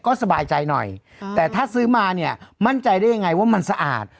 ก็สบายใจหน่อยแต่ถ้าซื้อมาเนี่ยมั่นใจได้ยังไงว่ามันสะอาด